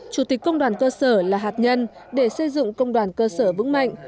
chủ tịch công đoàn cơ sở là hạt nhân để xây dựng công đoàn cơ sở vững mạnh